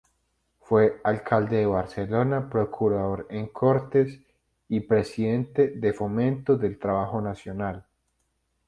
Fue alcalde de Barcelona, Procurador en Cortes y Presidente de Fomento del Trabajo Nacional.